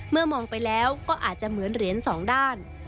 มองไปแล้วก็อาจจะเหมือนเหรียญสองด้าน